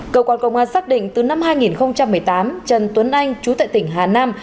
cơ quan công an xác định từ năm hai nghìn một mươi tám trần tuấn anh chú tại tỉnh hà nam